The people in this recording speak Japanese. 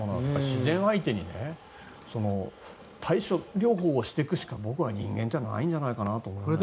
自然相手に対処療法をしていくしか人間にはないんじゃないかなと思います。